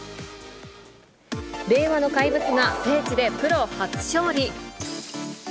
令和の怪物が、聖地でプロ初勝利。